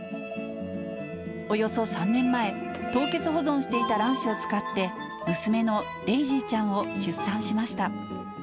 およそ３年前、凍結保存していた卵子を使って、娘のデイジーちゃんを出産しました。